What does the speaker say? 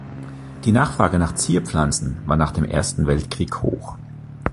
Die Nachfrage nach Zierpflanzen war nach dem Ersten Weltkrieg hoch.